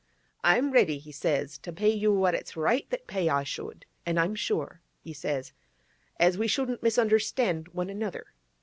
—"I'm ready," he says, "to pay you what it's right that pay I should, an' I'm sure," he says, "as we shouldn't misunderstand one another."